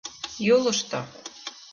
Юлышто